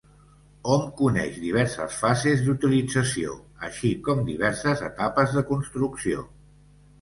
Hom coneix diverses fases d'utilització, així com diverses etapes de construcció.